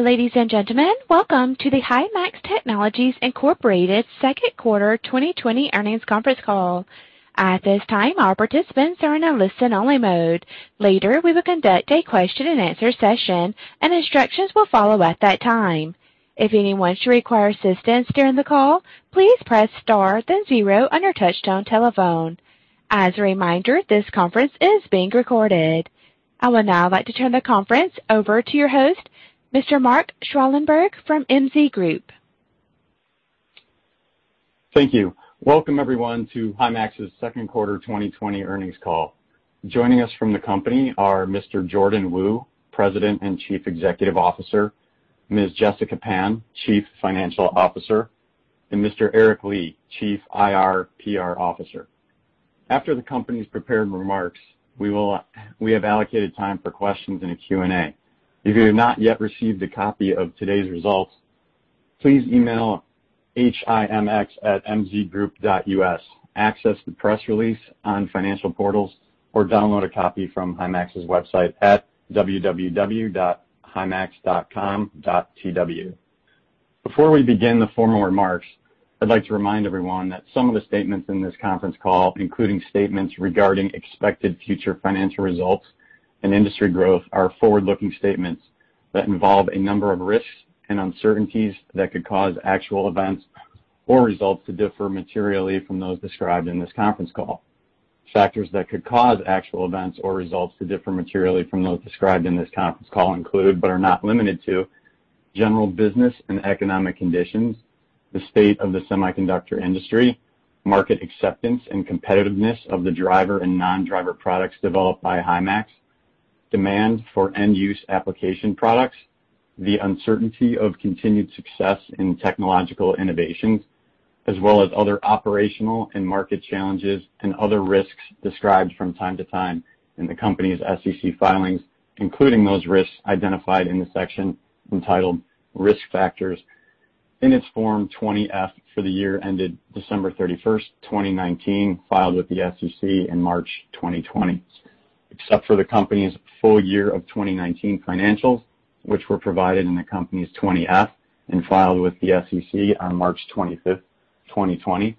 Hello, ladies and gentlemen. Welcome to the Himax Technologies, Inc. second quarter 2020 earnings conference call. At this time, all participants are in a listen-only mode. Later, we will conduct a question and answer session, and instructions will follow at that time. If anyone should require assistance during the call, please press star then zero on your touch-tone telephone. As a reminder, this conference is being recorded. I would now like to turn the conference over to your host, Mr. Mark Schwalenberg, from MZ Group. Thank you. Welcome, everyone, to Himax's second quarter 2020 earnings call. Joining us from the company are Mr. Jordan Wu, President and Chief Executive Officer, Ms. Jessica Pan, Chief Financial Officer, and Mr. Eric Li, Chief IR/PR Officer. After the company's prepared remarks, we have allocated time for questions in a Q&A. If you have not yet received a copy of today's results, please email himax@mzgroup.us, access the press release on financial portals, or download a copy from Himax's website at www.himax.com.tw. Before we begin the formal remarks, I'd like to remind everyone that some of the statements in this conference call, including statements regarding expected future financial results and industry growth, are forward-looking statements that involve a number of risks and uncertainties that could cause actual events or results to differ materially from those described in this conference call. Factors that could cause actual events or results to differ materially from those described in this conference call include, but are not limited to, general business and economic conditions, the state of the semiconductor industry, market acceptance and competitiveness of the driver and non-driver products developed by Himax, demand for end-use application products, the uncertainty of continued success in technological innovations, as well as other operational and market challenges and other risks described from time to time in the company's SEC filings, including those risks identified in the section entitled Risk Factors in its Form 20-F for the year ended December 31st, 2019, filed with the SEC in March 2020. Except for the company's full year of 2019 financials, which were provided in the company's 20-F and filed with the SEC on March 25th, 2020.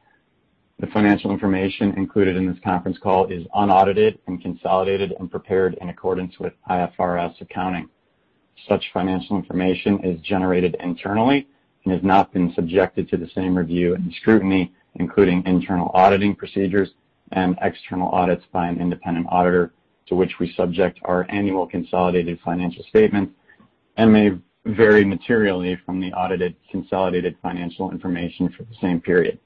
The financial information included in this conference call is unaudited and consolidated and prepared in accordance with IFRS accounting. Such financial information is generated internally and has not been subjected to the same review and scrutiny, including internal auditing procedures and external audits by an independent auditor, to which we subject our annual consolidated financial statements and may vary materially from the audited consolidated financial information for the same period.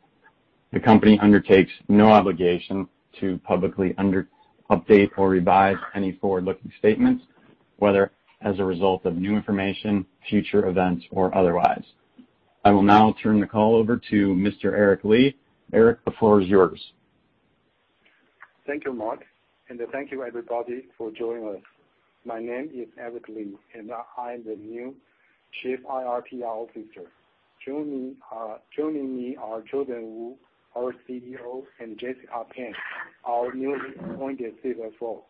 The company undertakes no obligation to publicly update or revise any forward-looking statements, whether as a result of new information, future events, or otherwise. I will now turn the call over to Mr. Eric Li. Eric, the floor is yours. Thank you, Mark, and thank you, everybody, for joining us. My name is Eric Li, and I'm the new Chief IR/PR Officer. Joining me are Jordan Wu, our CEO, and Jessica Pan, our newly appointed CFO.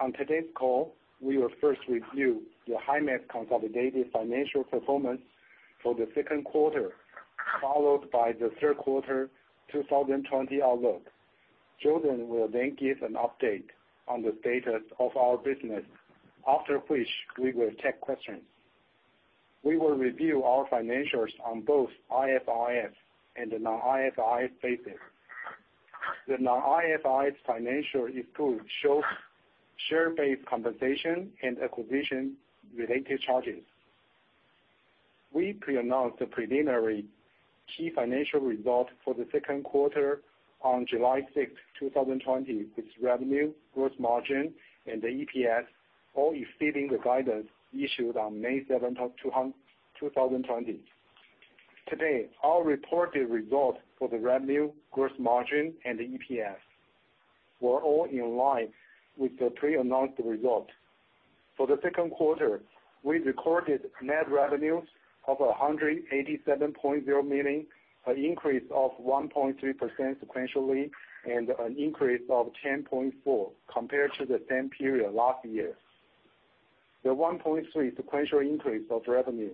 On today's call, we will first review the Himax consolidated financial performance for the second quarter, followed by the third quarter 2020 outlook. Jordan will give an update on the status of our business. After which, we will take questions. We will review our financials on both IFRS and the non-IFRS basis. The non-IFRS financial includes share-based compensation and acquisition-related charges. We pre-announced the preliminary key financial results for the second quarter on July 6th, 2020, with revenue, gross margin, and the EPS all exceeding the guidance issued on May 7th of 2020. Today, our reported results for the revenue, gross margin, and EPS were all in line with the pre-announced results. For the second quarter, we recorded net revenues of $187.0 million, an increase of 1.3% sequentially, and an increase of 10.4% compared to the same period last year. The 1.3 sequential increase of revenue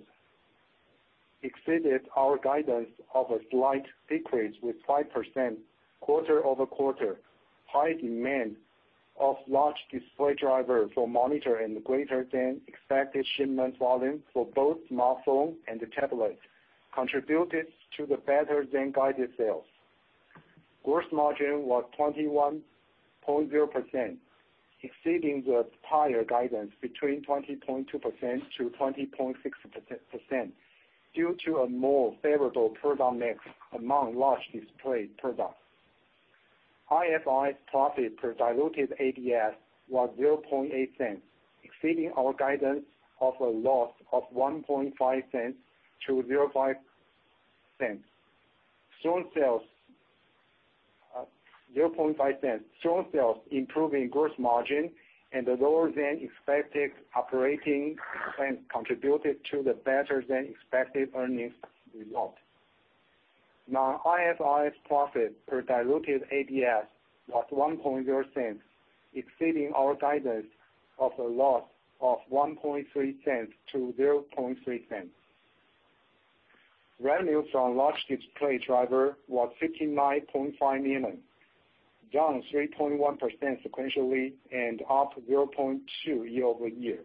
exceeded our guidance of a slight decrease with 5% quarter-over-quarter. High demand of large display driver for monitor and greater-than-expected shipment volume for both smartphone and tablet contributed to the better-than-guided sales. Gross margin was 21.0%, exceeding the prior guidance between 20.2%-20.6%, due to a more favorable product mix among large display products. IFRS profit per diluted ADS was $0.008, exceeding our guidance of a loss of $0.015-$0.005. Strong sales, improving gross margin, and lower-than-expected operating plan contributed to the better-than-expected earnings result. Non-IFRS profit per diluted ADS was $0.010, exceeding our guidance of a loss of $0.013-$0.003. Revenue from large display driver was $59.5 million, down 3.1% sequentially and up 0.2 year-over-year.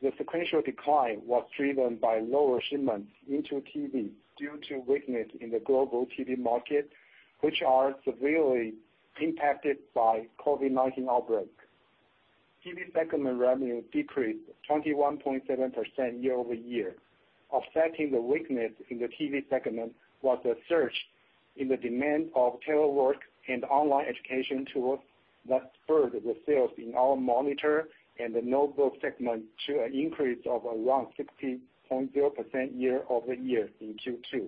The sequential decline was driven by lower shipments into TV due to weakness in the global TV market, which are severely impacted by COVID-19 outbreak. TV segment revenue decreased 21.7% year-over-year. Offsetting the weakness in the TV segment was a surge in the demand of telework and online education tools that spurred the sales in our monitor and the notebook segment to an increase of around 60.0% year-over-year in Q2.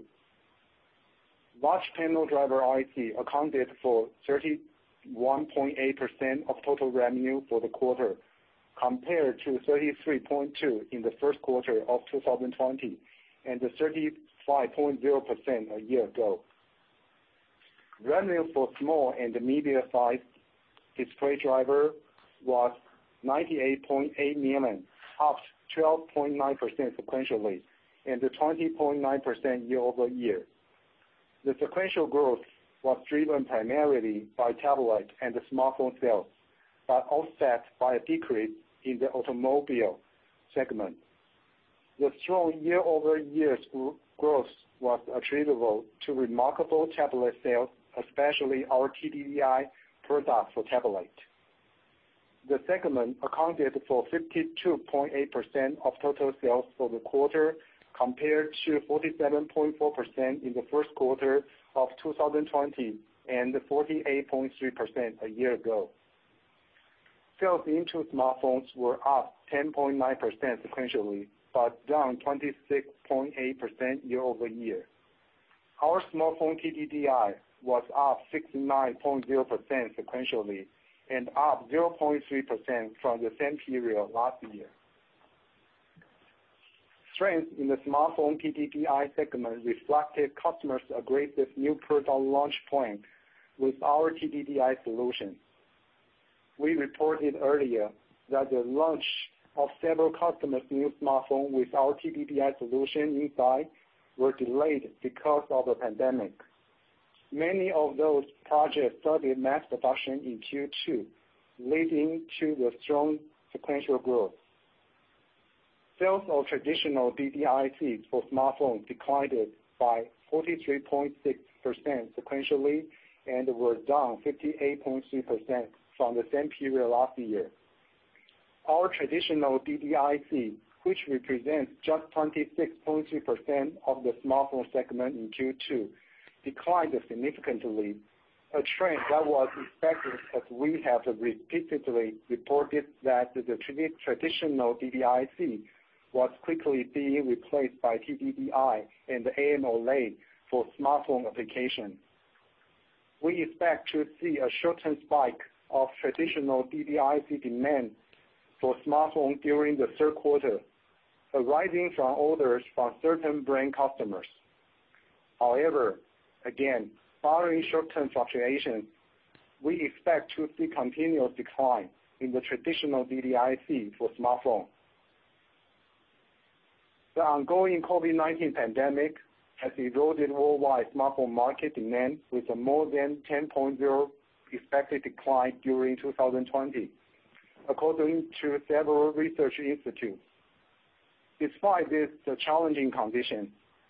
Large panel driver IC accounted for 31.8% of total revenue for the quarter, compared to 33.2% in the first quarter of 2020, and the 35.0% a year ago. Revenue for small and the medium-sized display driver was $98.8 million, up 12.9% sequentially, and the 20.9% year-over-year. The sequential growth was driven primarily by tablet and the smartphone sales, but offset by a decrease in the automobile segment. The strong year-over-year growth was attributable to remarkable tablet sales, especially our TDDI product for tablet. The segment accounted for 52.8% of total sales for the quarter, compared to 47.4% in the first quarter of 2020, and 48.3% a year ago. Sales into smartphones were up 10.9% sequentially, but down 26.8% year-over-year. Our smartphone TDDI was up 69.0% sequentially, and up 0.3% from the same period last year. Strength in the smartphone TDDI segment reflected customers' aggressive new product launch plan with our TDDI solution. We reported earlier that the launch of several customers' new smartphone with our TDDI solution inside were delayed because of the pandemic. Many of those projects started mass production in Q2, leading to the strong sequential growth. Sales of traditional DDIC for smartphone declined by 43.6% sequentially and were down 58.3% from the same period last year. Our traditional DDIC, which represents just 26.3% of the smartphone segment in Q2, declined significantly, a trend that was expected, as we have repeatedly reported that the traditional DDIC was quickly being replaced by TDDI and the AMOLED for smartphone application. We expect to see a short-term spike of traditional DDIC demand for smartphone during the third quarter, arising from orders from certain brand customers. Again, barring short-term fluctuations, we expect to see continuous decline in the traditional DDIC for smartphone. The ongoing COVID-19 pandemic has eroded worldwide smartphone market demand with a more than 10.0% expected decline during 2020, according to several research institutes. Despite this challenging condition,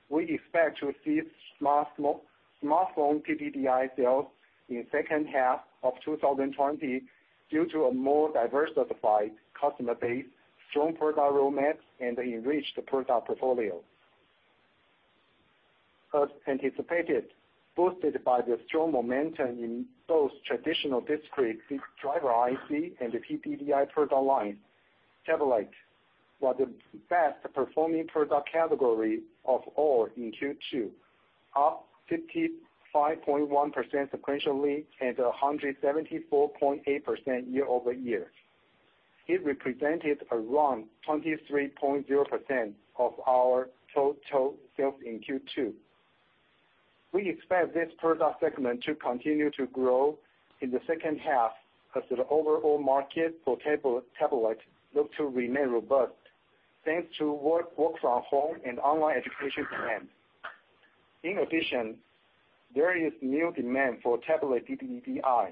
we expect to see smartphone TDDI sales in second half of 2020 due to a more diversified customer base, strong product roadmap, and the enriched product portfolio. As anticipated, boosted by the strong momentum in both traditional discrete driver IC and the TDDI product line, tablet was the best-performing product category of all in Q2, up 55.1% sequentially and 174.8% year-over-year. It represented around 23.0% of our total sales in Q2. We expect this product segment to continue to grow in the second half as the overall market for tablet look to remain robust, thanks to work from home and online education demand. In addition, there is new demand for tablet TDDI,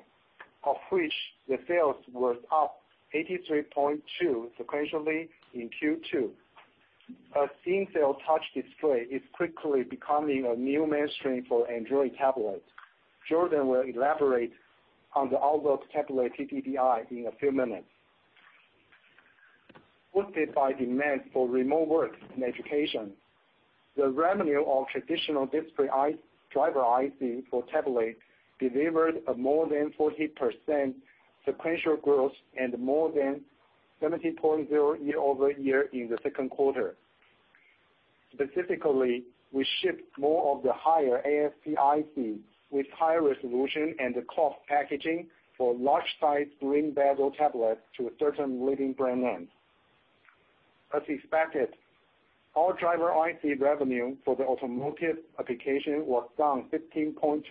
of which the sales were up 83.2% sequentially in Q2. As in-cell touch display is quickly becoming a new mainstream for Android tablet. Jordan will elaborate on the outlook tablet TDDI in a few minutes. Boosted by demand for remote work and education, the revenue of traditional discrete driver IC for tablet delivered a more than 40% sequential growth and more than 70.0% year-over-year in the second quarter. Specifically, we shipped more of the higher ASP IC with high resolution and the COF packaging for large-sized slim bezel tablet to a certain leading brand name. As expected, our driver IC revenue for the automotive application was down 15.2%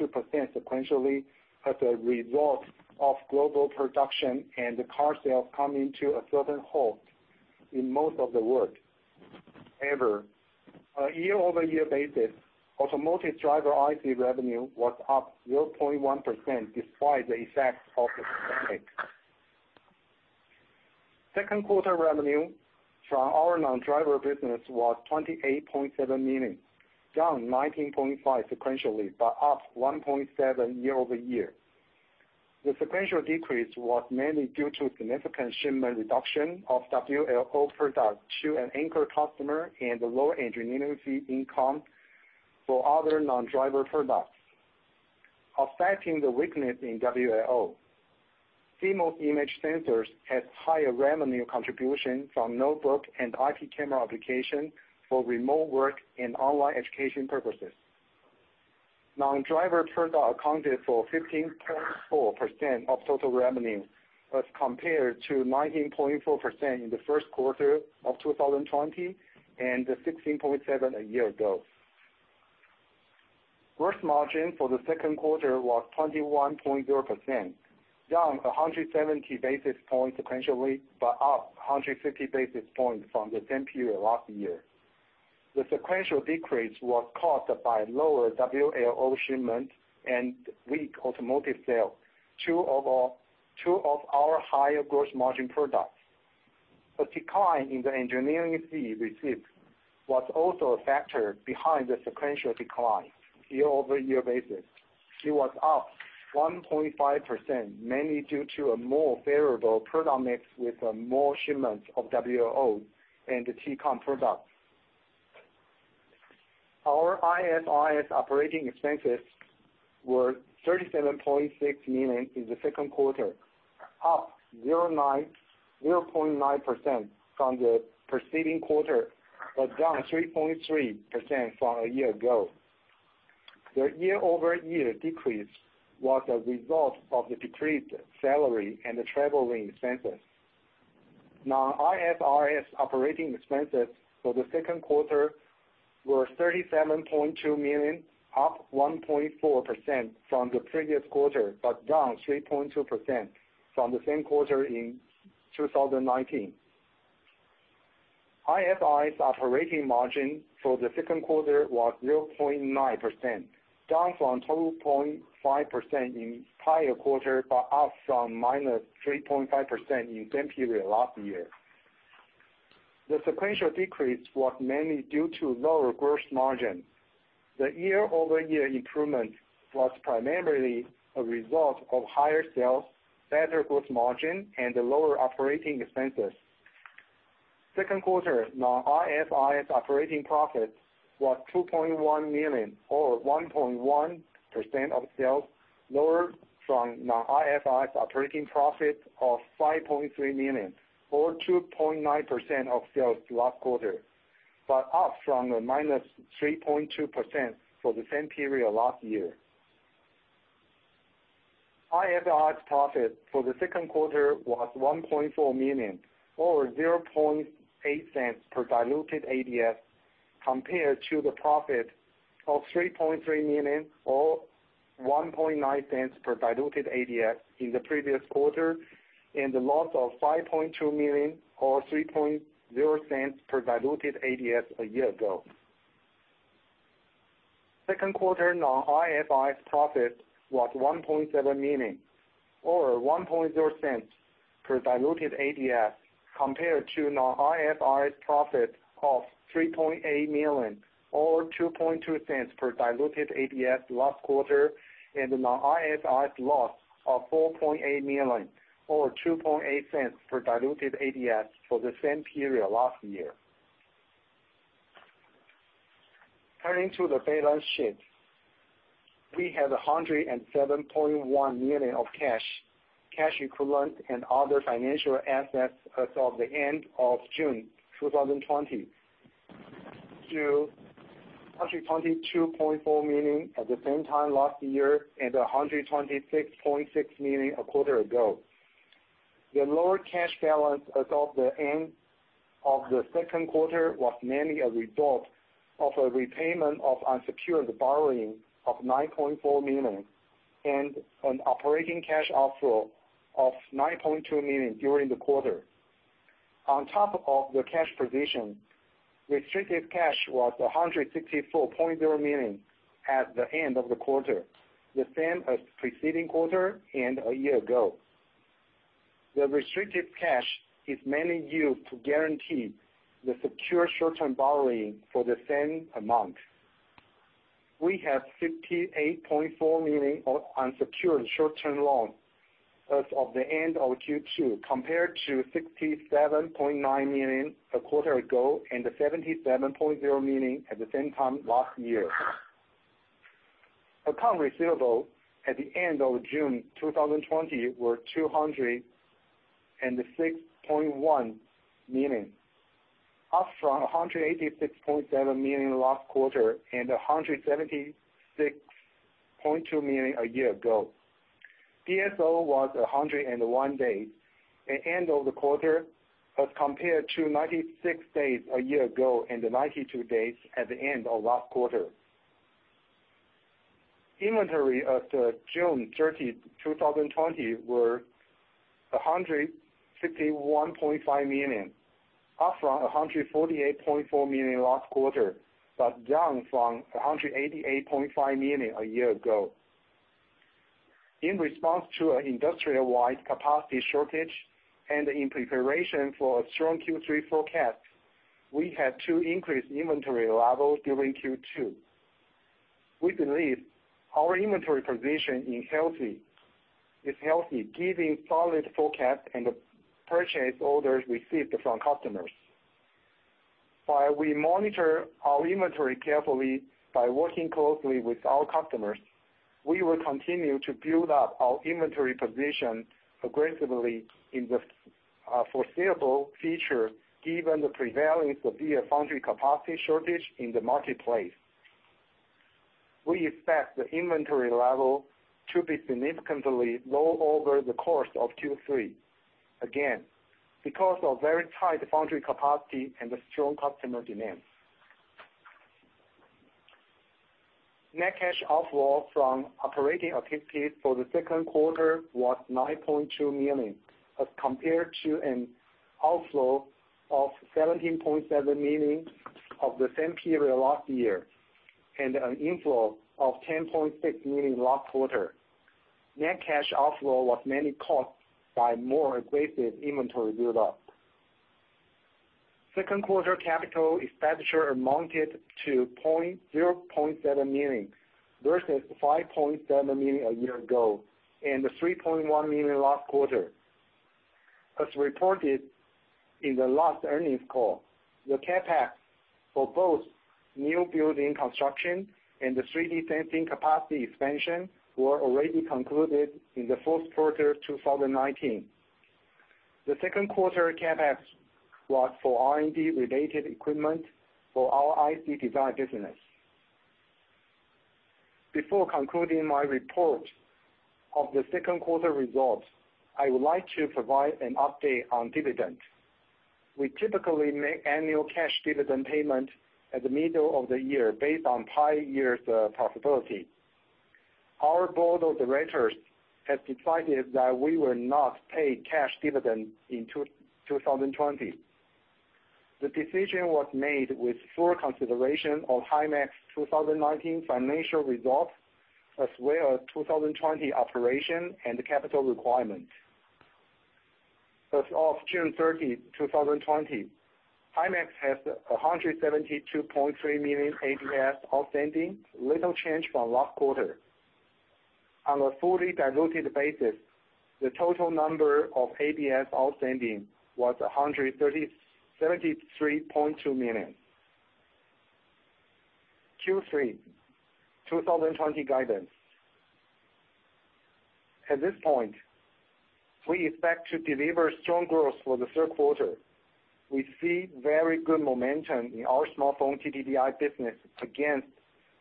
sequentially as a result of global production and car sales coming to a sudden halt in most of the world. On a year-over-year basis, automotive driver IC revenue was up 0.1% despite the effects of the pandemic. Second quarter revenue from our non-driver business was $28.7 million, down 19.5% sequentially, up 1.7% year-over-year. The sequential decrease was mainly due to significant shipment reduction of WLO products to an anchor customer and the lower engineering fee income for other non-driver products. Affecting the weakness in WLO, CMOS image sensors had higher revenue contribution from notebook and IP camera application for remote work and online education purposes. Non-driver products accounted for 15.4% of total revenue as compared to 19.4% in the first quarter of 2020, and 16.7% a year ago. Gross margin for the second quarter was 21.0%, down 170 basis points sequentially, but up 150 basis points from the same period last year. The sequential decrease was caused by lower WLO shipments and weak automotive sales, two of our higher gross margin products. A decline in the engineering fee receipts was also a factor behind the sequential decline year-over-year basis. It was up 1.5%, mainly due to a more favorable product mix with more shipments of WLO and TCON products. Our IFRS operating expenses were $37.6 million in the second quarter, up 0.9% from the preceding quarter, but down 3.3% from a year ago. The year-over-year decrease was a result of decreased salary and traveling expenses. Non-IFRS operating expenses for the second quarter were $37.2 million, up 1.4% from the previous quarter, but down 3.2% from the same quarter in 2019. IFRS operating margin for the second quarter was 0.9%, down from 2.5% in the prior quarter, but up from -3.5% in the same period last year. The sequential decrease was mainly due to lower gross margin. The year-over-year improvement was primarily a result of higher sales, better gross margin, and lower operating expenses. Second quarter non-IFRS operating profit was $2.1 million or 1.1% of sales, lower from non-IFRS operating profit of $5.3 million or 2.9% of sales last quarter, but up from the -3.2% for the same period last year. IFRS profit for the second quarter was $1.4 million or $0.008 per diluted ADS, compared to the profit of $3.3 million or $0.19 per diluted ADS in the previous quarter, and a loss of $5.2 million or $0.03 per diluted ADS a year ago. Second quarter non-IFRS profit was $1.7 million or $0.01 per diluted ADS compared to non-IFRS profit of $3.8 million or $0.22 per diluted ADS last quarter, and the non-IFRS loss of $4.8 million or $0.28 per diluted ADS for the same period last year. Turning to the balance sheet. We have $107.1 million of cash equivalent, and other financial assets as of the end of June 2020. To $122.4 million at the same time last year and $126.6 million a quarter ago. The lower cash balance as of the end of the second quarter was mainly a result of a repayment of unsecured borrowing of $9.4 million and an operating cash outflow of $9.2 million during the quarter. On top of the cash position, restricted cash was $164.0 million at the end of the quarter, the same as the preceding quarter and a year ago. The restricted cash is mainly used to guarantee the secure short-term borrowing for the same amount. We have $58.4 million of unsecured short-term loans as of the end of Q2 compared to $67.9 million a quarter ago and $77.0 million at the same time last year. Accounts receivable at the end of June 2020 were $206.1 million, up from $186.7 million last quarter and $176.2 million a year ago. DSO was 101 days at end of the quarter as compared to 96 days a year ago and 92 days at the end of last quarter. Inventory after June 30th, 2020 were $151.5 million, up from $148.4 million last quarter, down from $188.5 million a year ago. In response to an industry-wide capacity shortage and in preparation for a strong Q3 forecast, we had to increase inventory levels during Q2. We believe our inventory position is healthy, giving solid forecast and the purchase orders received from customers. While we monitor our inventory carefully by working closely with our customers, we will continue to build up our inventory position aggressively in the foreseeable future, given the prevailing severe foundry capacity shortage in the marketplace. We expect the inventory level to be significantly low over the course of Q3, again, because of very tight foundry capacity and the strong customer demand. Net cash outflow from operating activities for the second quarter was $9.2 million, as compared to an outflow of $17.7 million of the same period last year, and an inflow of $10.6 million last quarter. Net cash outflow was mainly caused by more aggressive inventory build-up. Second quarter capital expenditure amounted to $0.7 million, versus $5.7 million a year ago, and $3.1 million last quarter. As reported in the last earnings call, the CapEx for both new building construction and the 3D sensing capacity expansion were already concluded in the fourth quarter 2019. The second quarter CapEx was for R&D-related equipment for our IC design business. Before concluding my report of the second quarter results, I would like to provide an update on dividend. We typically make annual cash dividend payment at the middle of the year based on prior year's profitability. Our board of directors has decided that we will not pay cash dividend in 2020. The decision was made with full consideration of Himax 2019 financial results, as well as 2020 operation and capital requirements. As of June 30, 2020, Himax has 172.3 million ADS outstanding, little change from last quarter. On a fully diluted basis, the total number of ADS outstanding was 173.2 million. Q3 2020 guidance. At this point, we expect to deliver strong growth for the third quarter. We see very good momentum in our smartphone TDDI business against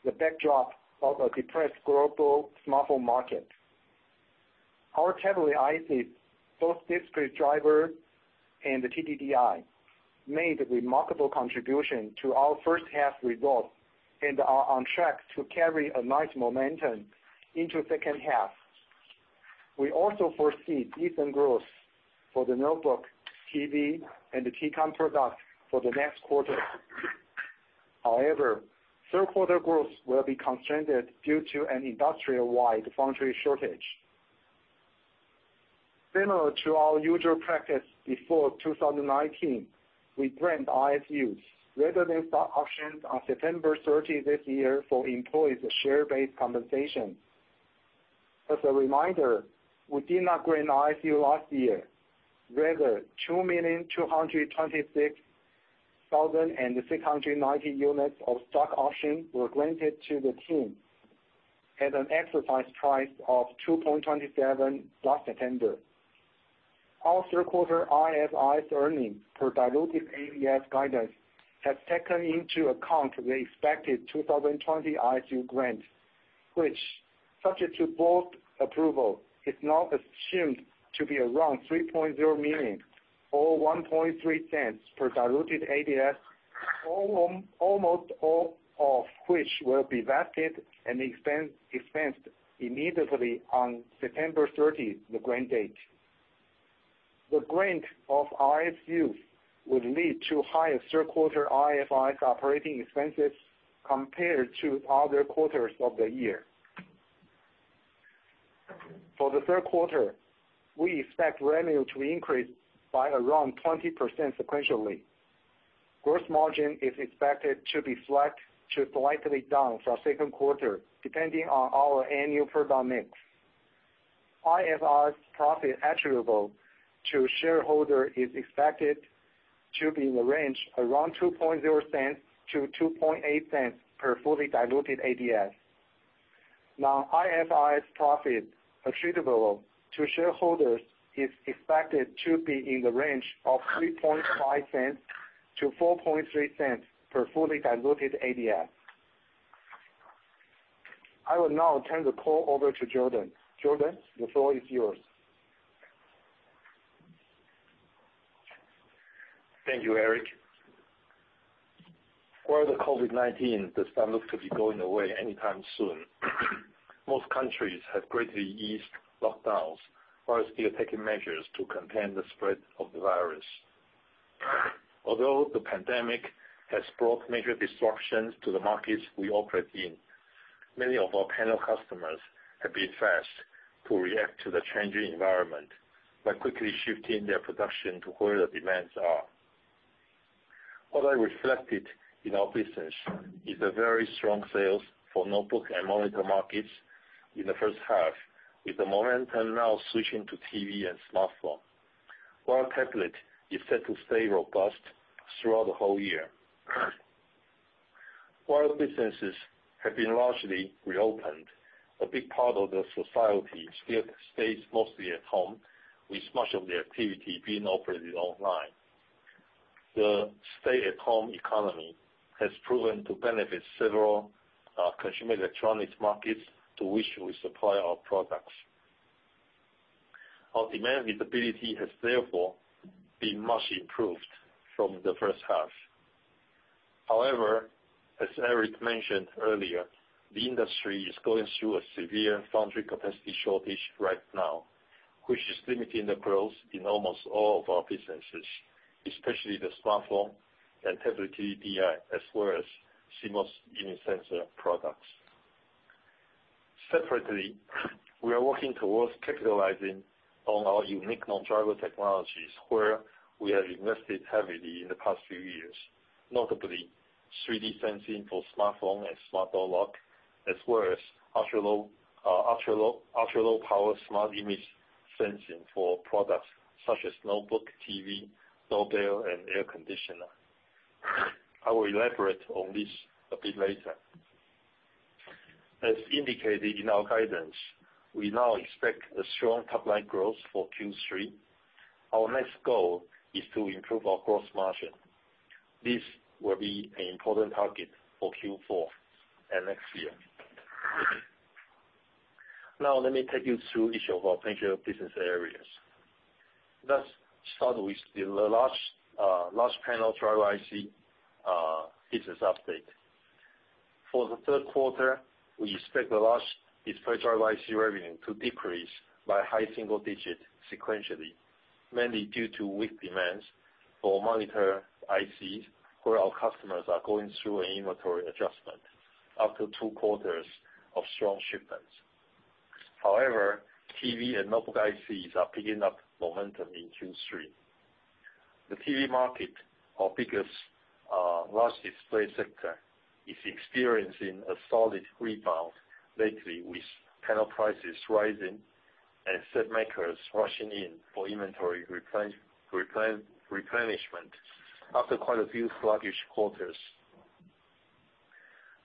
the backdrop of a depressed global smartphone market. Our tablet ICs, both discrete driver and the TDDI, made a remarkable contribution to our first half results and are on track to carry a nice momentum into second half. We also foresee decent growth for the notebook, TV, and the TCON product for the next quarter. However, third quarter growth will be constrained due to an industry-wide foundry shortage. Similar to our usual practice before 2019, we grant RSUs, rather than stock options, on September 30 this year for employees' share-based compensation. As a reminder, we did not grant RSUs last year. Rather, 2,226,690 units of stock options were granted to the team at an exercise price of $2.27 last September. Our third quarter IFRS earnings per diluted ADS guidance has taken into account the expected 2020 RSUs grant, which, subject to board approval, is now assumed to be around $3.0 million or $0.013 per diluted ADS, almost all of which will be vested and expensed immediately on September 30, the grant date. The grant of RSUs would lead to higher third quarter IFRS operating expenses compared to other quarters of the year. For the third quarter, we expect revenue to increase by around 20% sequentially. Gross margin is expected to be flat to slightly down from second quarter, depending on our annual product mix. IFRS profit attributable to shareholder is expected to be in the range around $0.020-$0.028 per fully diluted ADS. Non-IFRS profit attributable to shareholders is expected to be in the range of $0.035-$0.043 per fully diluted ADS. I will now turn the call over to Jordan. Jordan, the floor is yours. Thank you, Eric. While the COVID-19 does not look to be going away anytime soon, most countries have greatly eased lockdowns while still taking measures to contain the spread of the virus. Although the pandemic has brought major disruptions to the markets we operate in, many of our panel customers have been fast to react to the changing environment by quickly shifting their production to where the demands are. What I reflected in our business is a very strong sales for notebook and monitor markets in the first half, with the momentum now switching to TV and smartphone, while tablet is set to stay robust throughout the whole year. While businesses have been largely reopened, a big part of the society still stays mostly at home, with much of the activity being operated online. The stay-at-home economy has proven to benefit several consumer electronics markets to which we supply our products. Our demand visibility has therefore been much improved from the first half. However, as Eric mentioned earlier, the industry is going through a severe foundry capacity shortage right now, which is limiting the growth in almost all of our businesses, especially the smartphone and TDDI, as well as CMOS image sensor products. Separately, we are working towards capitalizing on our unique non-driver technologies, where we have invested heavily in the past few years, notably 3D sensing for smartphone and smart door lock, as well as ultra-low power smart image sensing for products such as notebook, TV, doorbell, and air conditioner. I will elaborate on this a bit later. As indicated in our guidance, we now expect a strong top-line growth for Q3. Our next goal is to improve our gross margin. This will be an important target for Q4 and next year. Now let me take you through each of our major business areas. Let's start with the large panel driver IC business update. For the third quarter, we expect the large display driver IC revenue to decrease by high single digits sequentially, mainly due to weak demands for monitor ICs, where our customers are going through an inventory adjustment after two quarters of strong shipments. However, TV and notebook ICs are picking up momentum in Q3. The TV market, our biggest large display sector, is experiencing a solid rebound lately, with panel prices rising and set makers rushing in for inventory replenishment after quite a few sluggish quarters.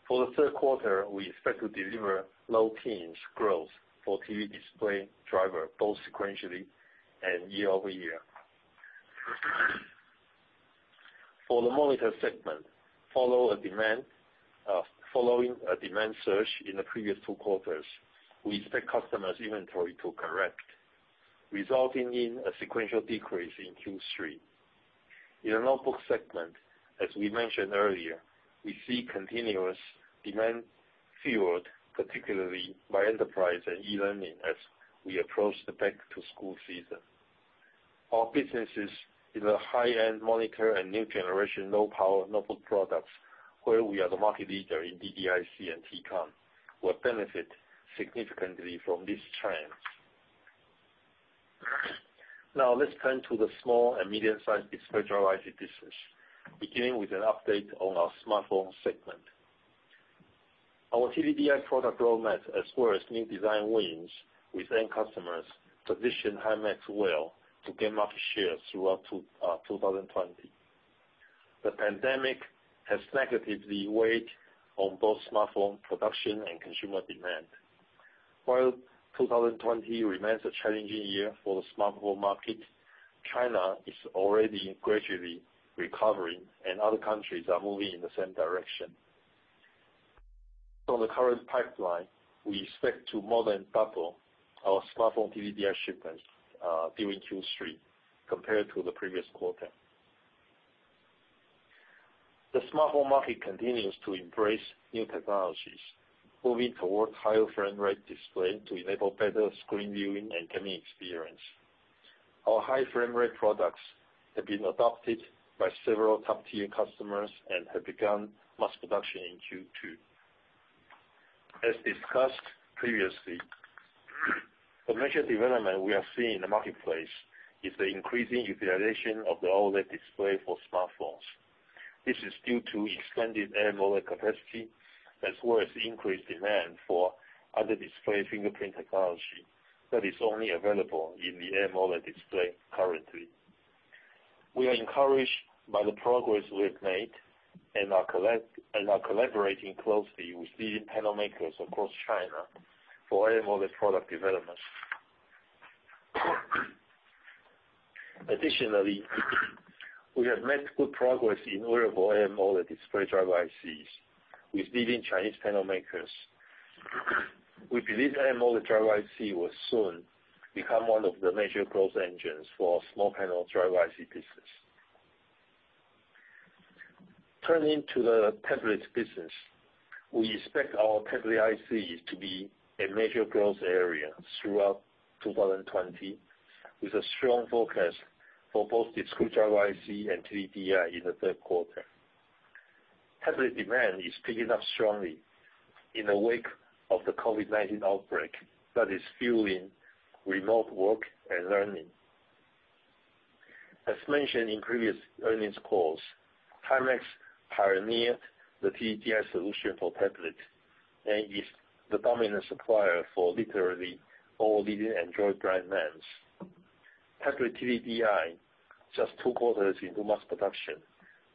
For the third quarter, we expect to deliver low teens growth for TV display driver, both sequentially and year-over-year. For the monitor segment, following a demand surge in the previous two quarters, we expect customers' inventory to correct, resulting in a sequential decrease in Q3. In the notebook segment, as we mentioned earlier, we see continuous demand fueled particularly by enterprise and e-learning as we approach the back-to-school season. Our businesses in the high-end monitor and new generation low-power notebook products, where we are the market leader in DDIC and TCON, will benefit significantly from this trend. Now let's turn to the small and medium-sized display driver IC business, beginning with an update on our smartphone segment. Our TDDI product roadmap, as well as new design wins with end customers, position Himax well to gain market share throughout 2020. The pandemic has negatively weighed on both smartphone production and consumer demand. While 2020 remains a challenging year for the smartphone market, China is already gradually recovering, and other countries are moving in the same direction. From the current pipeline, we expect to more than double our smartphone TDDI shipments during Q3 compared to the previous quarter. The smartphone market continues to embrace new technologies, moving toward higher frame rate display to enable better screen viewing and gaming experience. Our high frame rate products have been adopted by several Tier 1 customers and have begun mass production in Q2. As discussed previously, the major development we are seeing in the marketplace is the increasing utilization of the AMOLED display for smartphones. This is due to expanded AMOLED capacity, as well as increased demand for under-display fingerprint technology that is only available in the AMOLED display currently. We are encouraged by the progress we have made and are collaborating closely with leading panel makers across China for AMOLED product development. Additionally, we have made good progress in wearable AMOLED display driver ICs with leading Chinese panel makers. We believe AMOLED driver IC will soon become one of the major growth engines for small panel driver IC business. Turning to the tablet business. We expect our tablet ICs to be a major growth area throughout 2020, with a strong focus on both display driver IC and TDDI in the third quarter. Tablet demand is picking up strongly in the wake of the COVID-19 outbreak that is fueling remote work and learning. As mentioned in previous earnings calls, Himax pioneered the TDDI solution for tablets and is the dominant supplier for literally all leading Android brand names. Tablet TDDI, just two quarters into mass production,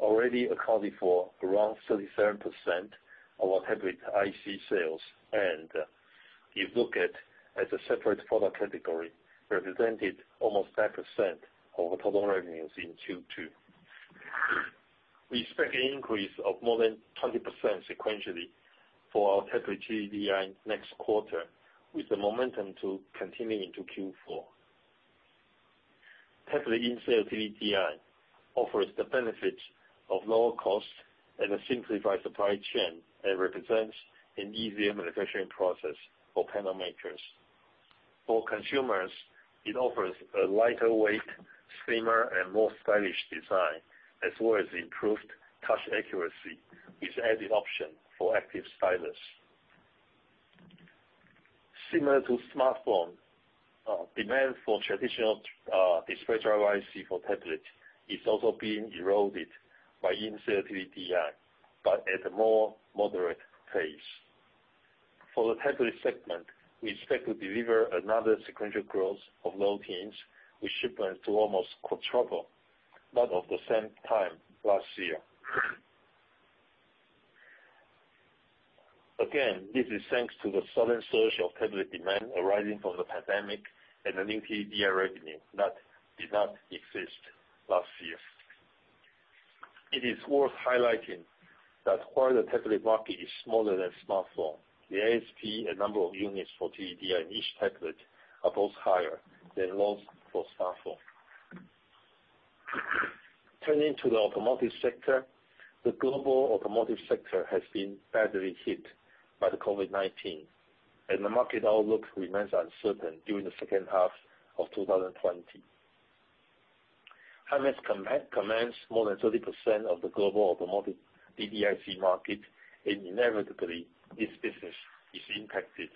already accounted for around 37% of our tablet IC sales, and if looked at as a separate product category, represented almost 5% of our total revenues in Q2. We expect an increase of more than 20% sequentially for our tablet TDDI next quarter, with the momentum to continue into Q4. Tablet in-cell TDDI offers the benefits of lower cost and a simplified supply chain and represents an easier manufacturing process for panel makers. For consumers, it offers a lighter weight, slimmer, and more stylish design, as well as improved touch accuracy with added option for active stylus. Similar to smartphone, demand for traditional display driver IC for tablet is also being eroded by in-cell TDDI, but at a more moderate pace. For the tablet segment, we expect to deliver another sequential growth of low teens, with shipments to almost quadruple that of the same time last year. Again, this is thanks to the sudden surge of tablet demand arising from the pandemic and the new TDDI revenue that did not exist last year. It is worth highlighting that while the tablet market is smaller than smartphone, the ASP and number of units for TDDI in each tablet are both higher than those for smartphone. Turning to the automotive sector. The global automotive sector has been badly hit by the COVID-19, and the market outlook remains uncertain during the second half of 2020. Himax commands more than 30% of the global automotive DDIC market, and inevitably, this business is impacted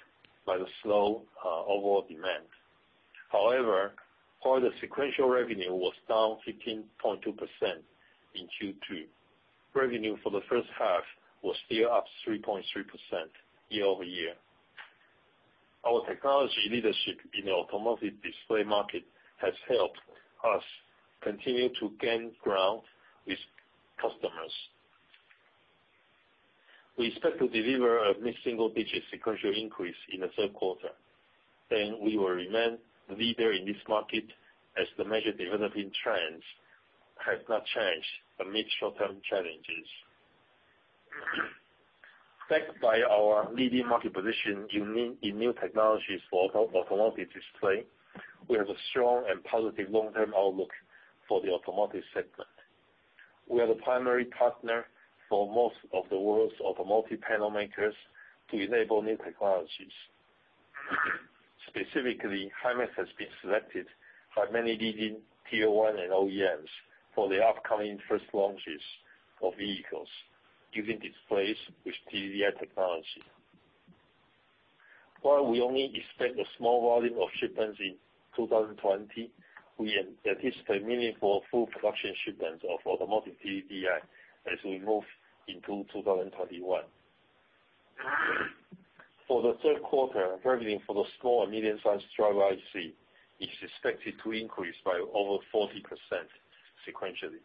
by the slow overall demand. While the sequential revenue was down 15.2% in Q2, revenue for the first half was still up 3.3% year-over-year. Our technology leadership in the automotive display market has helped us continue to gain ground with customers. We expect to deliver a mid-single digit sequential increase in the third quarter. We will remain the leader in this market as the major development trends have not changed amid short-term challenges. Backed by our leading market position in new technologies for automotive display, we have a strong and positive long-term outlook for the automotive segment. We are the primary partner for most of the world's automotive panel makers to enable new technologies. Specifically, Himax has been selected by many leading Tier 1 and OEMs for the upcoming first launches of vehicles using displays with TDDI technology. While we only expect a small volume of shipments in 2020, we anticipate meaningful full production shipments of automotive TDDI as we move into 2021. For the third quarter, revenue for the small and medium-sized driver IC is expected to increase by over 40% sequentially.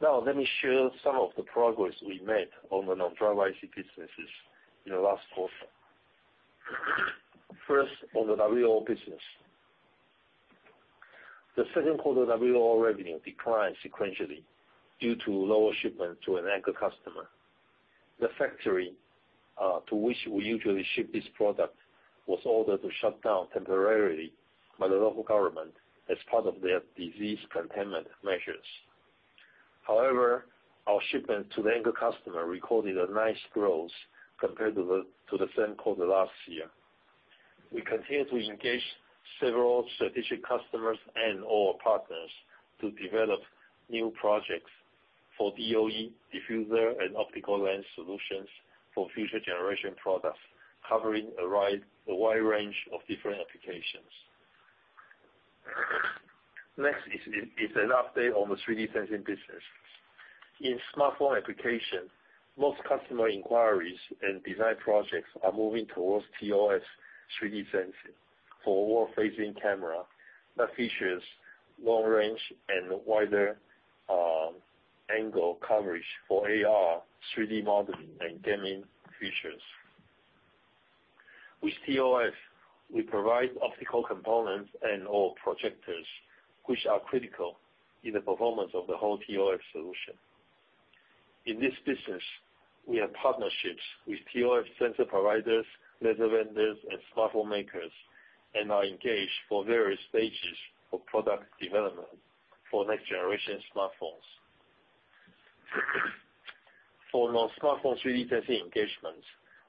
Now, let me share some of the progress we made on the non-driver IC businesses in the last quarter. First, on the WLO business. The second quarter WLO revenue declined sequentially due to lower shipment to an anchor customer. The factory to which we usually ship this product was ordered to shut down temporarily by the local government as part of their disease containment measures. However, our shipment to the anchor customer recorded a nice growth compared to the same quarter last year. We continue to engage several strategic customers and/or partners to develop new projects for DOE, diffuser, and optical lens solutions for future generation products, covering a wide range of different applications. Next is an update on the 3D sensing business. In smartphone application, most customer inquiries and design projects are moving towards ToF 3D sensing for forward-facing camera that features long range and wider angle coverage for AR, 3D modeling, and gaming features. With ToF, we provide optical components and/or projectors, which are critical in the performance of the whole ToF solution. In this business, we have partnerships with ToF sensor providers, laser vendors, and smartphone makers, and are engaged for various stages of product development for next generation smartphones. For non-smartphone 3D sensing engagements,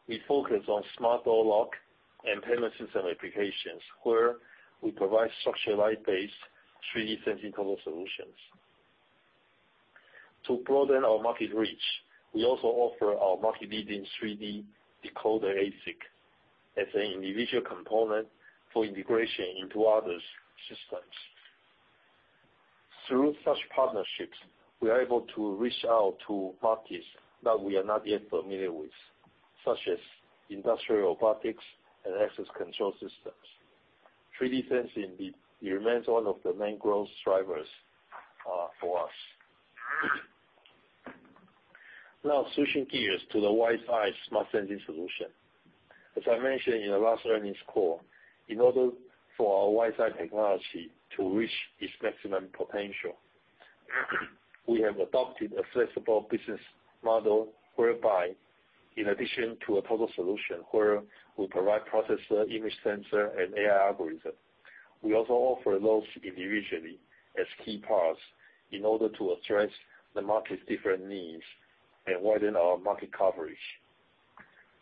we focus on smart door lock and payment system applications where we provide structured light-based 3D sensing total solutions. To broaden our market reach, we also offer our market-leading 3D decoder ASIC as an individual component for integration into others' systems. Through such partnerships, we are able to reach out to parties that we are not yet familiar with, such as industrial robotics and access control systems. 3D sensing remains one of the main growth drivers for us. Now switching gears to the WiseEye smart sensing solution. As I mentioned in the last earnings call, in order for our WiseEye technology to reach its maximum potential, we have adopted a flexible business model whereby in addition to a total solution where we provide processor, image sensor, and AI algorithm, we also offer those individually as key parts in order to address the market's different needs and widen our market coverage.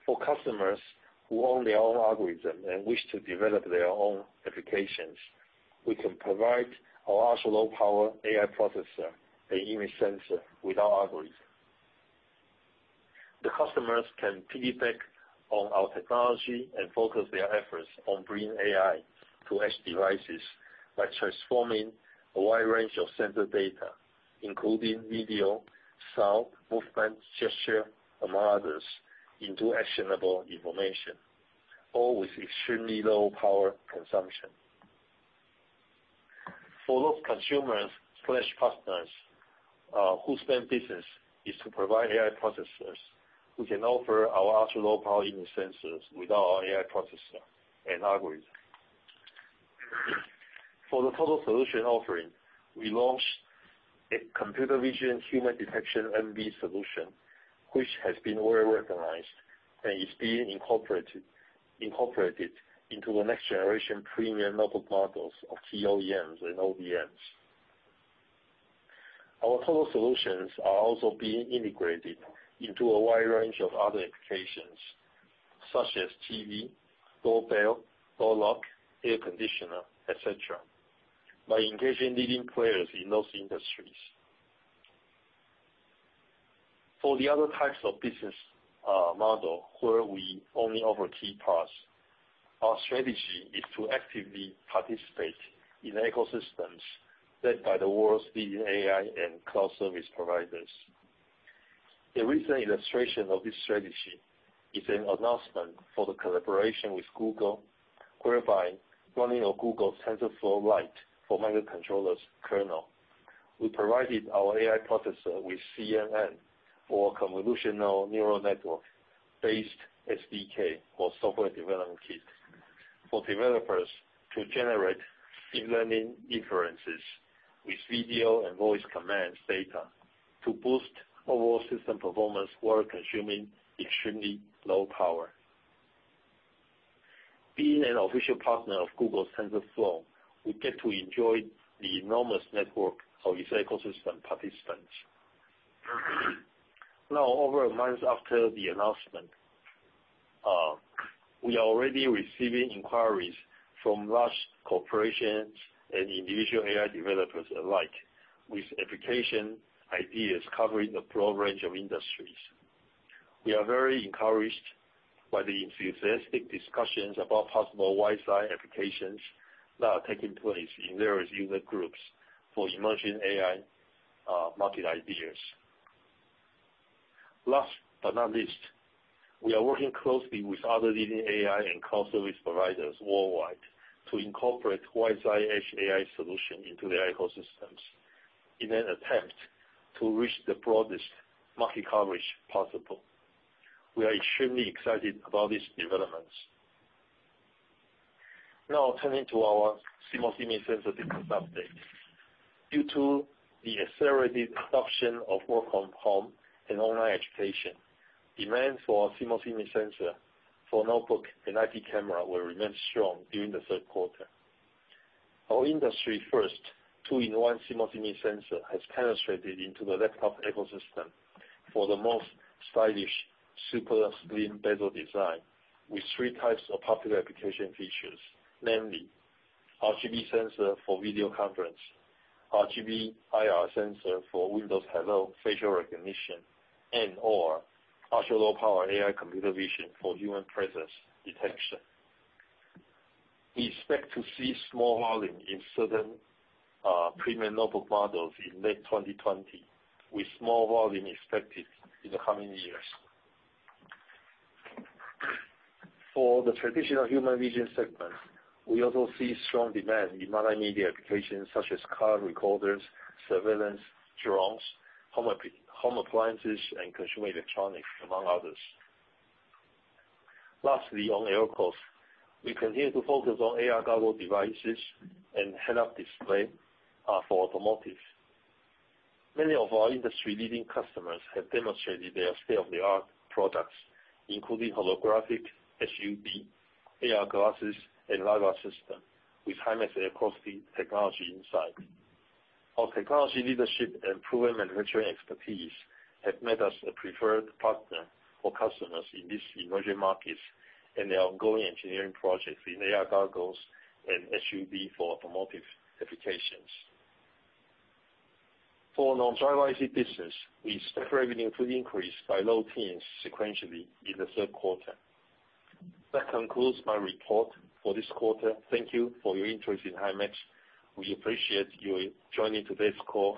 For customers who own their own algorithm and wish to develop their own applications, we can provide our ultra-low power AI processor and image sensor with our algorithm. The customers can piggyback on our technology and focus their efforts on bringing AI to edge devices by transforming a wide range of sensor data, including video, sound, movement, gesture, among others, into actionable information, all with extremely low power consumption. For those consumers/partners, whose main business is to provide AI processors, we can offer our ultra-low power image sensors with our AI processor and algorithm. For the total solution offering, we launched a computer vision human detection MV solution, which has been well-recognized and is being incorporated into the next generation premium notebook models of TOEMs and OEMs. Our total solutions are also being integrated into a wide range of other applications such as TV, doorbell, door lock, air conditioner, et cetera, by engaging leading players in those industries. For the other types of business model where we only offer key parts, our strategy is to actively participate in ecosystems set by the world's leading AI and cloud service providers. The recent illustration of this strategy is an announcement for the collaboration with Google, whereby running on Google's TensorFlow Lite for microcontrollers kernel. We provided our AI processor with CNN or Convolutional Neural Network-based SDK or software development kit for developers to generate deep learning inferences with video and voice commands data to boost overall system performance while consuming extremely low power. Being an official partner of Google's TensorFlow, we get to enjoy the enormous network of its ecosystem participants. Over a month after the announcement, we are already receiving inquiries from large corporations and individual AI developers alike, with application ideas covering a broad range of industries. We are very encouraged by the enthusiastic discussions about possible WiseEye applications that are taking place in various user groups for emerging AI market ideas. Last but not least, we are working closely with other leading AI and cloud service providers worldwide to incorporate WiseEye edge AI solution into their ecosystems in an attempt to reach the broadest market coverage possible. We are extremely excited about these developments. Turning to our CMOS image sensor business update. Due to the accelerated adoption of work from home and online education, demand for our CMOS image sensor for notebook and IP camera will remain strong during the third quarter. Our industry first two-in-one CMOS image sensor has penetrated into the laptop ecosystem for the most stylish super slim bezel design with three types of popular application features, namely RGB sensor for video conference, RGB IR sensor for Windows Hello facial recognition, and/or ultralow-power AI computer vision for human presence detection. We expect to see small volume in certain premium notebook models in late 2020, with more volume expected in the coming years. For the traditional human vision segment, we also see strong demand in multimedia applications such as car recorders, surveillance, drones, home appliances and consumer electronics, among others. Lastly, on LCoS, I continue to focus on AR goggle devices and head-up display for automotive. Many of our industry-leading customers have demonstrated their state-of-the-art products, including holographic, HUD, AR glasses, and LiDAR system with Himax LCoS technology inside. Our technology leadership and proven manufacturing expertise have made us a preferred partner for customers in these emerging markets and their ongoing engineering projects in AR goggles and HUD for automotive applications. For non-driver IC business, we expect revenue to increase by low teens sequentially in the third quarter. That concludes my report for this quarter. Thank you for your interest in Himax. We appreciate you joining today's call.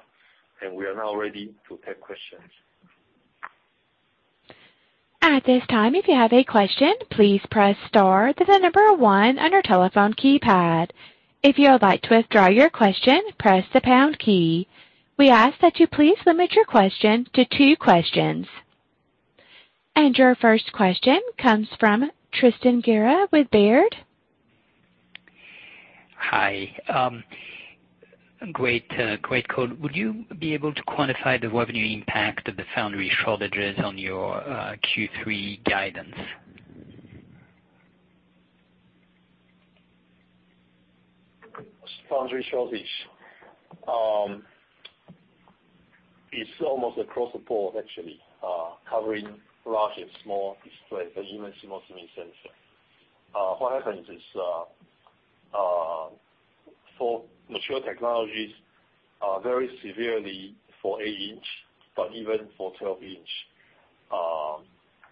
We are now ready to take questions. At this time, if you have a question, please press star, then the number one on your telephone keypad. If you would like to withdraw your question, press the pound key. We ask that you please limit your question to two questions. Your first question comes from Tristan Gerra with Baird. Hi. Great call. Would you be able to quantify the revenue impact of the foundry shortages on your Q3 guidance? Foundry shortage. It's almost across the board, actually, covering large and small display, but even CMOS image sensor. What happens is, for mature technologies, very severely for 8 inch, but even for 12 inch,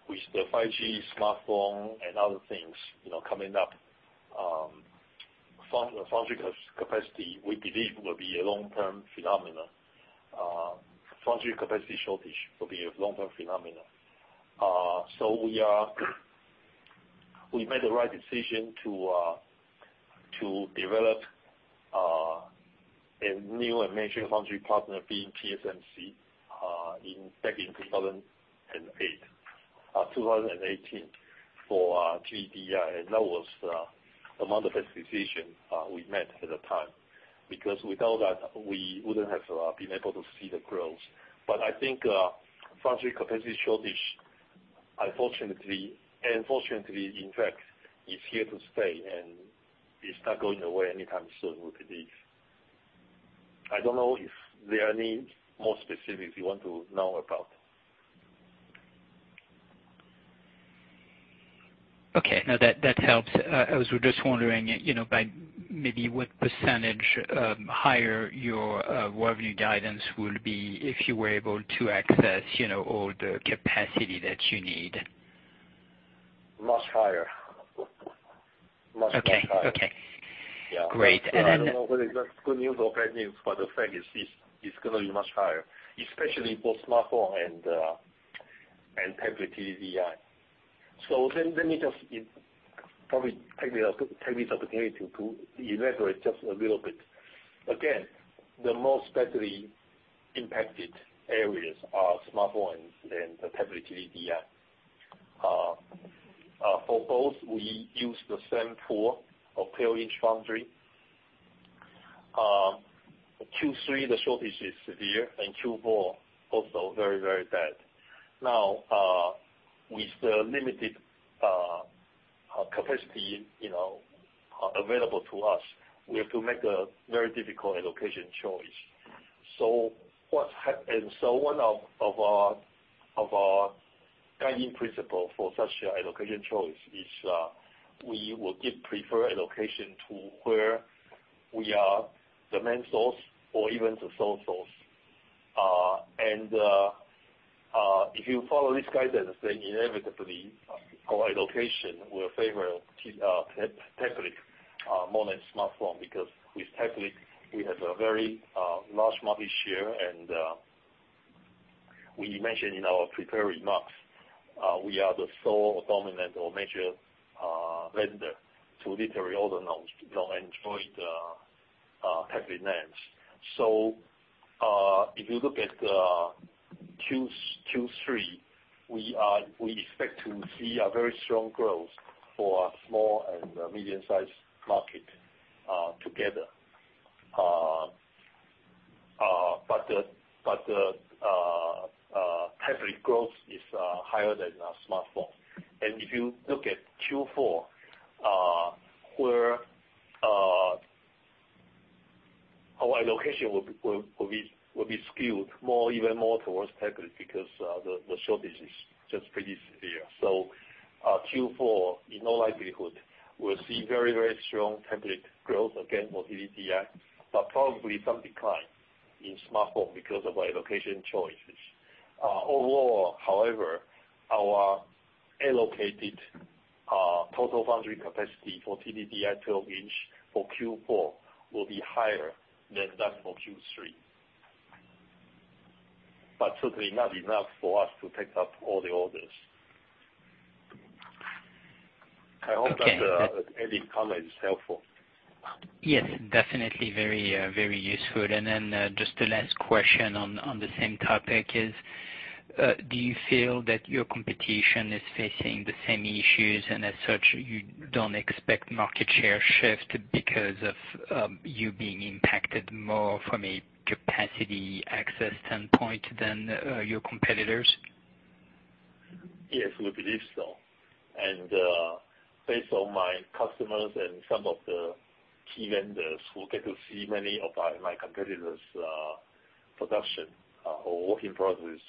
with the 5G smartphone and other things coming up, foundry capacity, we believe, will be a long-term phenomenon. Foundry capacity shortage will be a long-term phenomenon. We made the right decision to develop a new and major foundry partner, being TSMC, back in 2018 for TDDI, and that was among the best decision we made at the time. Without that, we wouldn't have been able to see the growth. I think foundry capacity shortage, unfortunately, in fact, is here to stay, and it's not going away anytime soon, we believe. I don't know if there are any more specifics you want to know about. Okay. No, that helps. I was just wondering, by maybe what % higher your revenue guidance would be if you were able to access all the capacity that you need. Much higher. Okay. Great. Yeah. I don't know whether it's good news or bad news, but the fact is, it's going to be much higher, especially for smartphone and tablet TDDI. Let me just probably take this opportunity to elaborate just a little bit. Again, the most badly impacted areas are smartphones and the tablet TDDI. For both, we use the same pool of 12-inch foundry. Q3, the shortage is severe, and Q4, also very bad. Now, with the limited capacity available to us, we have to make a very difficult allocation choice. One of our guiding principle for such allocation choice is, we will give preferred allocation to where we are the main source or even the sole source. If you follow this guidance, inevitably, our allocation will favor tablet more than smartphone because with tablet, we have a very large market share and we mentioned in our prepared remarks, we are the sole dominant or major vendor to literally all the known Android tablet names. If you look at Q3, we expect to see a very strong growth for small and medium-sized market together. The tablet growth is higher than smartphone. If you look at Q4, where our allocation will be skewed even more towards tablet because the shortage is just pretty severe. Q4, in all likelihood, will see very strong tablet growth again for TDDI, but probably some decline in smartphone because of our allocation choices. Overall, however, our allocated total foundry capacity for TDDI 12 inch for Q4 will be higher than that for Q3. Certainly not enough for us to take up all the orders. I hope that any comment is helpful. Yes, definitely very useful. Just the last question on the same topic is, do you feel that your competition is facing the same issues and as such, you don't expect market share shift because of you being impacted more from a capacity access standpoint than your competitors? Yes, we believe so. Based on my customers and some of the key vendors who get to see many of my competitors' production or work-in-progress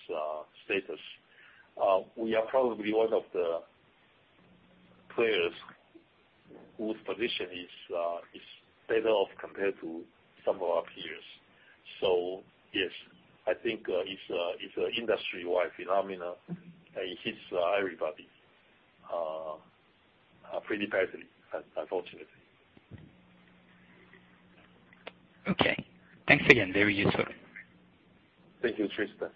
status, we are probably one of the players whose position is better off compared to some of our peers. Yes, I think it's an industry-wide phenomenon, and it hits everybody pretty badly, unfortunately. Okay. Thanks again, very useful. Thank you, Tristan.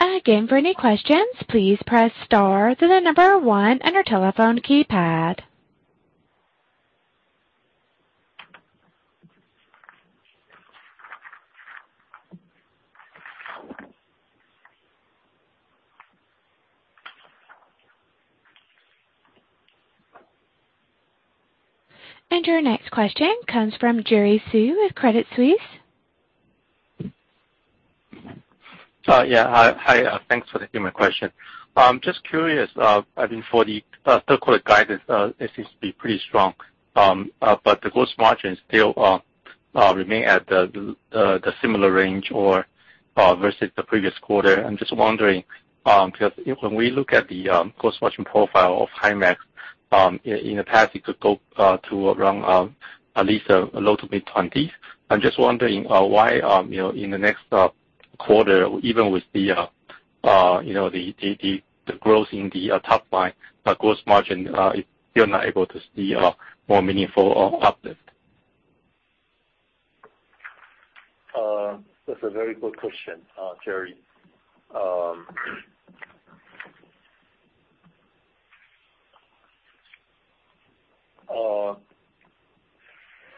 Again for any question please press star, then the number one on your telephone keypad. Your next question comes from Jerry Su of Credit Suisse. Yeah. Hi, thanks for taking my question. Just curious, I mean, for the third quarter guidance, it seems to be pretty strong, but the gross margins still remain at the similar range or versus the previous quarter. I'm just wondering, because when we look at the gross margin profile of Himax, in the past, it could go to around at least low to mid-20s. I'm just wondering why, in the next quarter, even with the growth in the top line gross margin, you're not able to see a more meaningful uplift. That's a very good question, Jerry.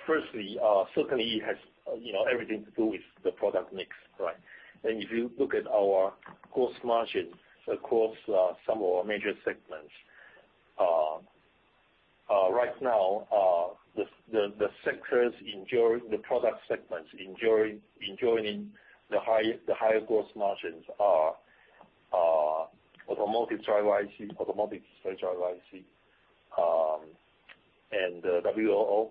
Firstly, certainly it has everything to do with the product mix, right? If you look at our gross margin across some of our major segments. Right now, the product segments enjoying the higher gross margins are automotive driver IC, and WLO.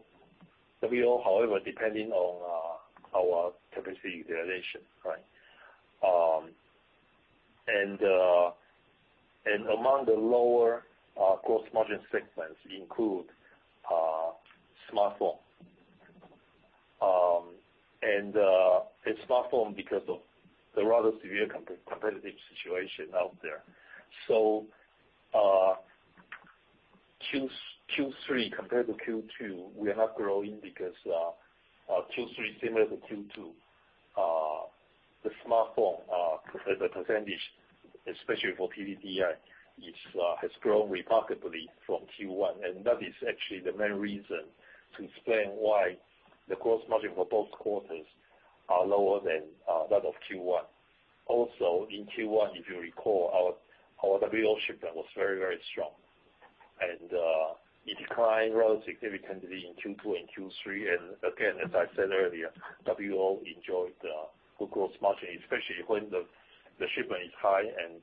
WLO, however, depending on our capacity utilization, right? Among the lower gross margin segments, include smartphone. Smartphone because of the rather severe competitive situation out there. Q3 compared to Q2, we are not growing because Q3 similar to Q2. The smartphone, the percentage, especially for PVDI, has grown remarkably from Q1, and that is actually the main reason to explain why the gross margin for both quarters are lower than that of Q1. Also, in Q1, if you recall, our WLO shipment was very strong. It declined rather significantly in Q2 and Q3. Again, as I said earlier, WLO enjoyed the full gross margin, especially when the shipment is high and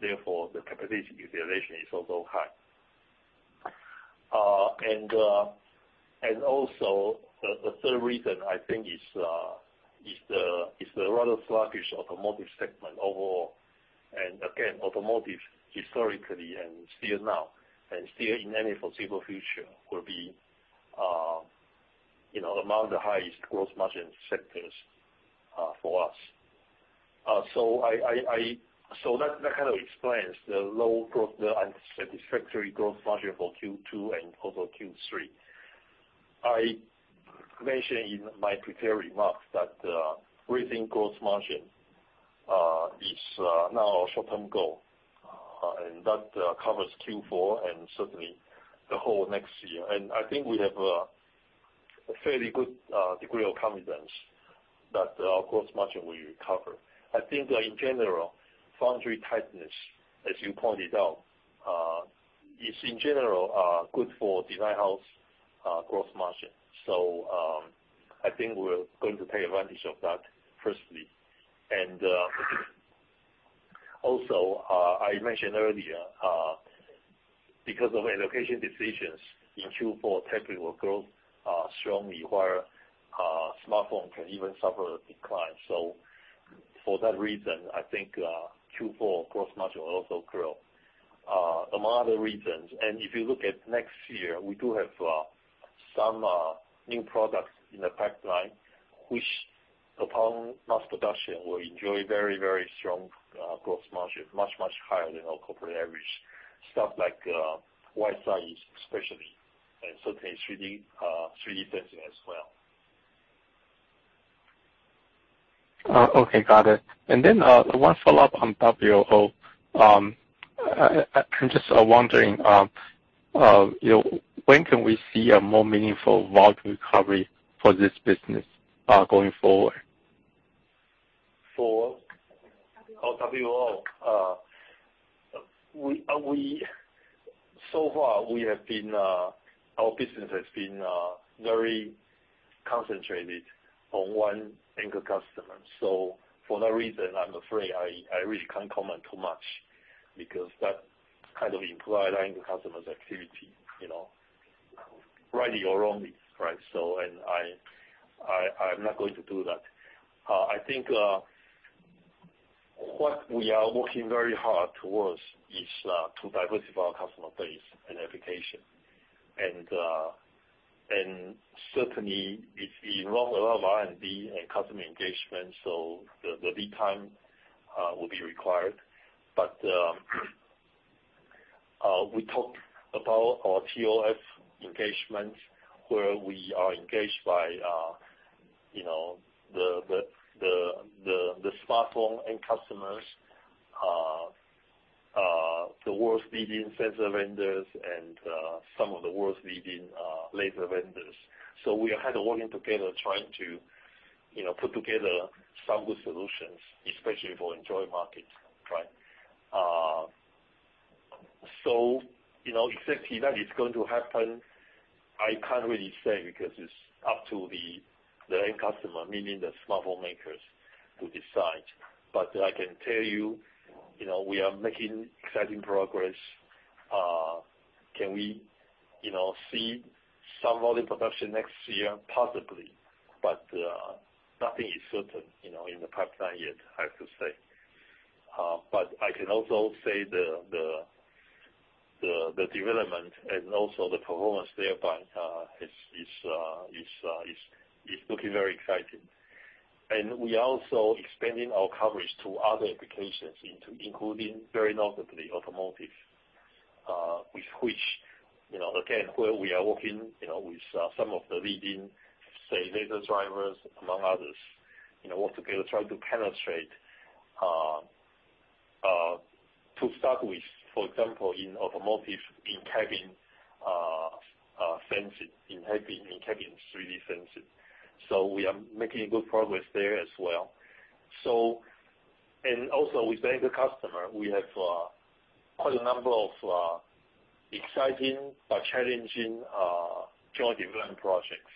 therefore the capacity utilization is also high. Also, the third reason I think is the rather sluggish automotive segment overall. Again, automotive historically and still now and still in any foreseeable future will be among the highest gross margin sectors for us. That kind of explains the unsatisfactory gross margin for Q2 and also Q3. I mentioned in my prepared remarks that raising gross margin is now our short-term goal, and that covers Q4 and certainly the whole next year. I think we have a fairly good degree of confidence that our gross margin will recover. I think in general, foundry tightness, as you pointed out, is in general good for design house gross margin. I think we're going to take advantage of that, firstly. Also, I mentioned earlier, because of allocation decisions in Q4, tech will grow strongly, while smartphone can even suffer a decline. For that reason, I think Q4 gross margin will also grow. Among other reasons, if you look at next year, we do have some new products in the pipeline, which upon mass production, will enjoy very strong gross margin, much higher than our corporate average. Stuff like WiseEye especially, and certainly 3D sensing as well. Okay, got it. One follow-up on WLO. I'm just wondering, when can we see a more meaningful volume recovery for this business going forward? For? WLO. Far, our business has been very concentrated on one anchor customer. For that reason, I'm afraid I really can't comment too much because that kind of implies our anchor customer's activity, rightly or wrongly, right? I'm not going to do that. I think what we are working very hard towards is to diversify our customer base and application. Certainly, it involves a lot of R&D and customer engagement, so the lead time will be required. We talked about our ToF engagement, where we are engaged by the smartphone end customers, the world's leading sensor vendors, and some of the world's leading laser vendors. We are kind of working together, trying to put together some good solutions, especially for Android markets, right? Exactly when it's going to happen, I can't really say because it's up to the end customer, meaning the smartphone makers, to decide. I can tell you, we are making exciting progress. Can we see some volume production next year? Possibly, nothing is certain in the pipeline yet, I have to say. I can also say the development and also the performance thereby is looking very exciting. We are also expanding our coverage to other applications, including very notably automotive, with which, again, where we are working with some of the leading, say, laser drivers, among others, all together trying to penetrate, to start with, for example, in automotive, in-cabin sensing, in-cabin 3D sensing. We are making good progress there as well. Also with the anchor customer, we have quite a number of exciting but challenging joint development projects.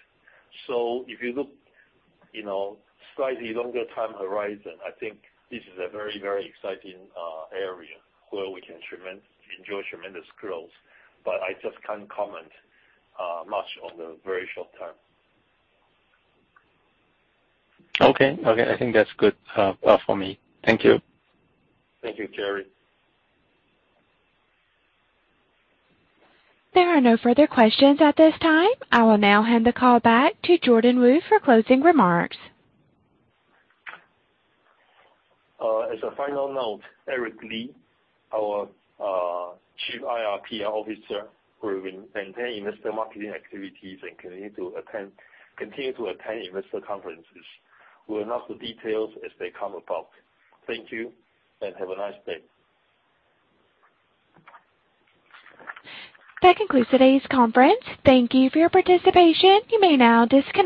If you look slightly longer time horizon, I think this is a very exciting area where we can enjoy tremendous growth, but I just can't comment much on the very short term. Okay. I think that's good for me. Thank you. Thank you, Jerry. There are no further questions at this time. I will now hand the call back to Jordan Wu for closing remarks. As a final note, Eric Li, our Chief IR/PR Officer, will maintain investor marketing activities and continue to attend investor conferences. We'll announce the details as they come about. Thank you, and have a nice day. That concludes today's conference. Thank you for your participation. You may now disconnect.